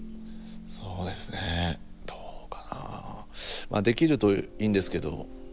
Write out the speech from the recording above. そうですねどうかなあできるといいんですけど。